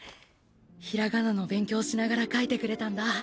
平仮名の勉強しながら書いてくれたんだ！